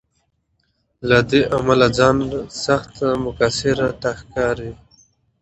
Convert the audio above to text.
له دې امله ځان سخت مقصر راته ښکاري.